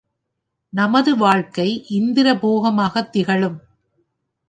நமது வர்ழ்க்கை இந்திர போகமாய்த் திகழும்.